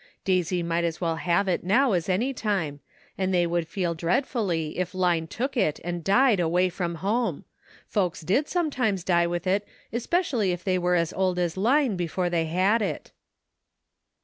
Daisy might as well have it now as any time, and they would feel dreadfully if Line took it and died away from home ; folks did sometimes die with it, especially if they were as old as Line before they had it.